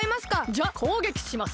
じゃあこうげきします！